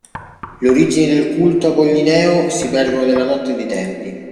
Le origini del culto apollineo si perdono nella notte dei tempi.